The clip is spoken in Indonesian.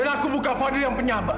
dan aku bukan fadil yang penyambar